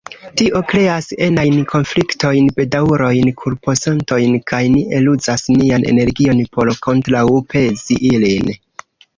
Tio kreas enajn konfliktojn, bedaŭrojn, kulposentojn… kaj ni eluzas nian energion por kontraŭpezi ilin.